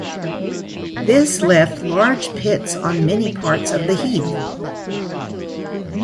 This left large pits on many parts of the heath.